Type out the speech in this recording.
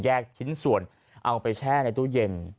ชิ้นส่วนเอาไปแช่ในตู้เย็น